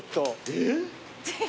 えっ？